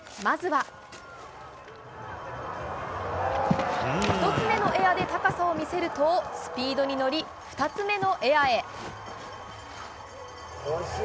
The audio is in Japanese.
まずは１つ目のエアで高さを見せるとスピードに乗り２つ目のエアへ。